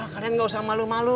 kalian gak usah malu malu